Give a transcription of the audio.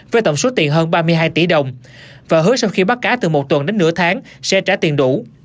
với tổng số tiền hơn ba mươi hai tỷ đồng và hứa sau khi bắt cá từ một tuần đến nửa tháng sẽ trả tiền đủ